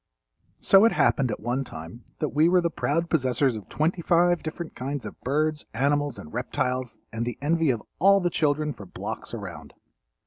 So it happened at one time that we were the proud possessors of twenty five different kinds of birds, animals and reptiles and the envy of all the children for blocks around.